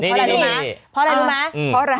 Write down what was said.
นี่เพราะอะไรรู้มั้ย